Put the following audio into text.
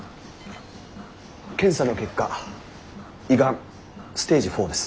検査の結果胃がんステージ４です。